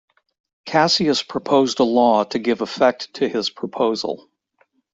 Cassius proposed a law to give effect to his proposal.